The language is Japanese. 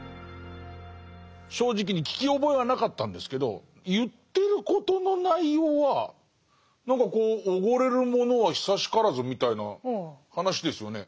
正直に聞き覚えはなかったんですけど言ってることの内容は何かこう「おごれるものは久しからず」みたいな話ですよね。